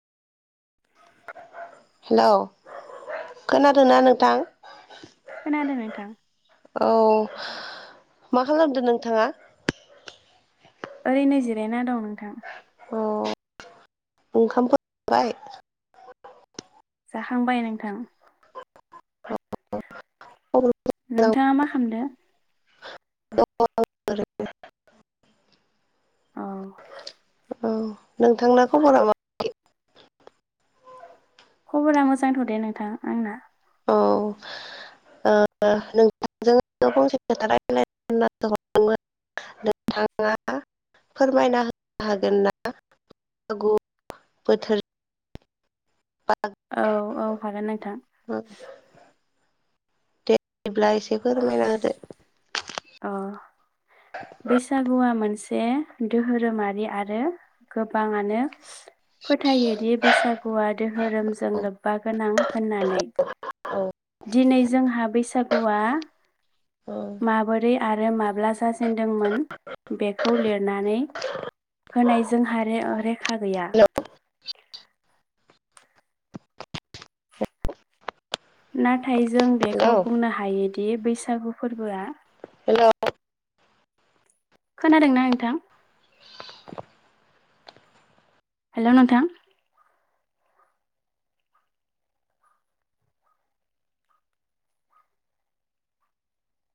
Hello खोनादों ना नोंथां? खोनादों नोंथां औ मा खालामदो नोंथाङा? ओरैनो जिरायना दं नोंथां। अ ओंखामफोर जाबाय? जाखांबाय नोंथां औ नोंथाङा मा खामदो? [unintelligible] अ औ नोंथांना खबरा मा खबरा मोजांथ' दे नोंथां आंना। ओ नोंथांजों फंसे खोथा रायलायनो होननासो हरदोंमोन। नोंथाङा फोरमायना होनो हागोन ना? बैसागु बोथोर [unintelligible] औ औ हागोन नोंथां। ओ दे बिदिब्ला एसे फोरमायना होदो अ' बैसागुआ मोनसे दोहोरोमारि आरो गोबाङानो फोथायोदि बैसागुआ दोहोरोमजों औ लोब्बा गोनां होननानै। औ दिनै जोंहा बैसागुआ माबो रै आरो माब्ला जाजेनदोंमोन बेखौ लिरनानै होनाय जोंहा रो रेखा गैया। हेलौ नाथाय जों हेलौ बेखौ बुंनो हायोदि बैसागु फोरबोआ हेलौ खोनादोंना नोंथां? हेल' नोंथां।